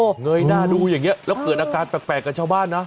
เงยหน้าดูอย่างนี้แล้วเกิดอาการแปลกกับชาวบ้านนะ